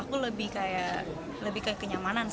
aku lebih kayak lebih kayak kenyamanan sih